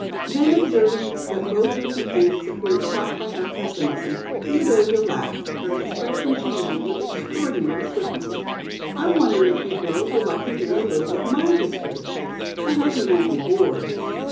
Then observing that both her companions appeared shocked by her pessimism Theodosia laughed, her expression changing with extraordinary swiftness. "I wonder if you girls would like to hear a little of my history. I hope you won't be bored.